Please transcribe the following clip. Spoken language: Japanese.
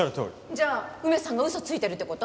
じゃあ梅さんがウソついてるって事？